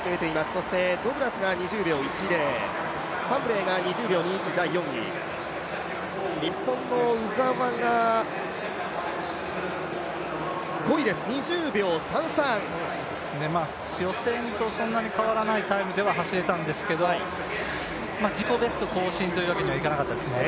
そしてドグラスが２０秒１０、ファンブレーが２０秒２１、第４位日本の鵜澤が５位です、２０秒３３、予選とそんなに変わらないタイムでは走れたんですけれども、自己ベスト更新というわけにはいかなかったですね